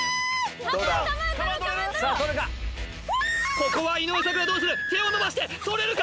ここは井上咲楽どうする手を伸ばして取れるか？